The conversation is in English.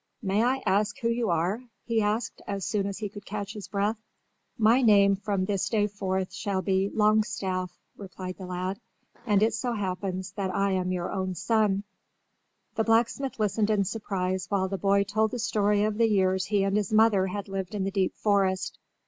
"May I ask who you are?" he asked as soon as he could catch his breath. "My name from this day forth shall be Longstaff," replied the lad. "And it so happens that I am your own son." The blacksmith listened in surprise while the boy told the story of the years he and his mother had lived in the deep forest.